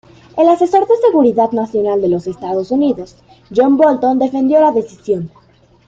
El asesor de seguridad nacional de los Estados Unidos John Bolton defendió la decisión.